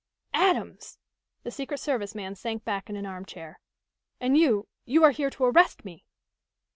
"Adams!" The secret service man sank back in an armchair. "And you you are here to arrest me?"